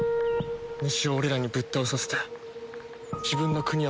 虫を俺らにぶっ倒させて自分の国はほぼ無傷。